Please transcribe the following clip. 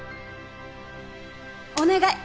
お願い！